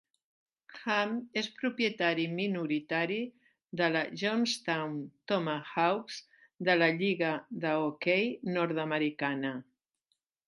Ham és propietari minoritari de la Johnstown Tomahawks de la Lliga de hoquei nord-americana.